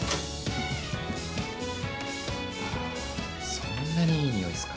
そんなにいい匂いっすか？